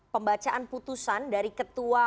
pembacaan putusan dari ketua